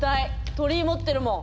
鳥居持ってるもん。